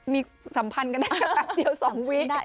มีสัมพันธ์กันได้อย่างนั้นเดี๋ยวสองวิทย์